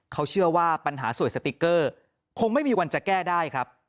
เขาเชื่อว่าปัญหาสวยสติ๊กเกอร์คงไม่มีวันจะแก้ได้ครับ